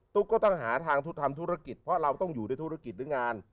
ก็ต้องหาทางทำธุรกิจเพราะเราต้องอยู่ด้วยธุรกิจหรืองาน